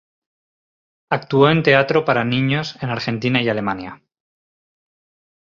Actuó en teatro para niños en Argentina y Alemania.